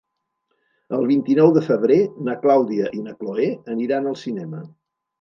El vint-i-nou de febrer na Clàudia i na Cloè aniran al cinema.